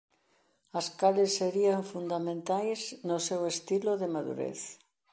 As cales serían fundamentais no seu estilo de madurez.